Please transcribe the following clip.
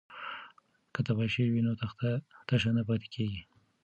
که تباشیر وي نو تخته تشه نه پاتیږي.